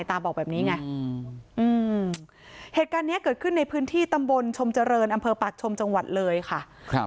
บอกแบบนี้ไงเหตุการณ์นี้เกิดขึ้นในพื้นที่ตำบลชมเจริญอำเภอปากชมจังหวัดเลยค่ะ